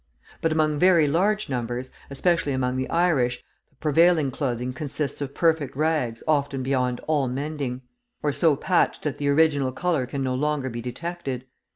But among very large numbers, especially among the Irish, the prevailing clothing consists of perfect rags often beyond all mending, or so patched that the original colour can no longer be detected.